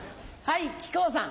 はい。